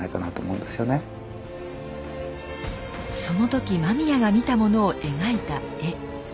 その時間宮が見たものを描いた絵。